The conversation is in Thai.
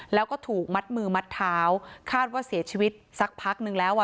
แล้วก็ถูกมัดมือมัดเท้าคาดว่าเสียชีวิตสักพักนึงแล้วอ่ะ